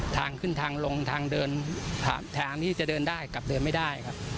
ทางขึ้นทางลงทางเดินทางที่จะเดินได้กลับเดินไม่ได้ครับ